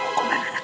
hukuman anak smp